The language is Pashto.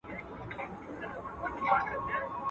چي مرگ سته، ښادي نسته.